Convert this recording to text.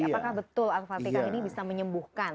apakah betul al fatikan ini bisa menyembuhkan